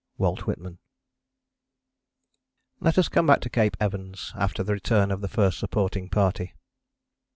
WALT WHITMAN. Let us come back to Cape Evans after the return of the First Supporting Party.